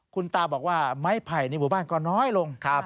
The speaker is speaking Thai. คุณตาบอกว่าไม้ไผ่ในหมู่บ้านก็น้อยลง